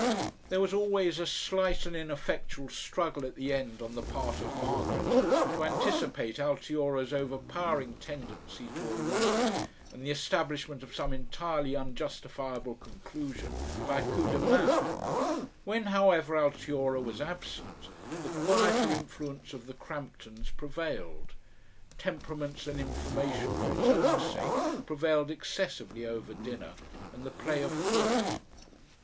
There was always a slight and ineffectual struggle at the end on the part of Margaret to anticipate Altiora's overpowering tendency to a rally and the establishment of some entirely unjustifiable conclusion by a COUP DE MAIN. When, however, Altiora was absent, the quieter influence of the Cramptons prevailed; temperance and information for its own sake prevailed excessively over dinner and the play of thought....